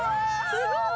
すごーい！